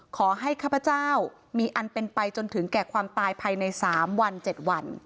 ขอให้ข้าพเจ้ามีอันเป็นไปจนถึงแก่ความตายภายในสามวันเจ็ดวัน